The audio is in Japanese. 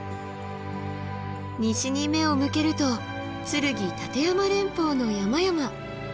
西に目を向けると剱・立山連峰の山々。